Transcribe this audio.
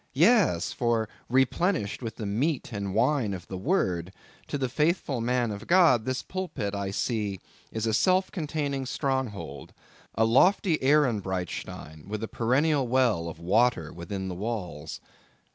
Yes, for replenished with the meat and wine of the word, to the faithful man of God, this pulpit, I see, is a self containing stronghold—a lofty Ehrenbreitstein, with a perennial well of water within the walls.